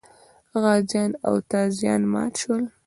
غازیان او تازیان مات شول.